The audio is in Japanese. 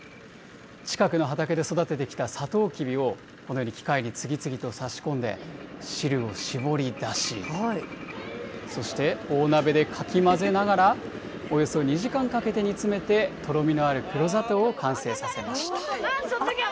近くの畑で育ててきたサトウキビをこのように機会に次々と差し込んで、汁を搾り出し、そして、大鍋でかき混ぜながら、およそ２時間かけて煮詰めて、とろみのある黒砂糖を完成させました。